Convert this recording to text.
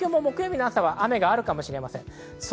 東京も木曜日の朝は雨があるかもしれません。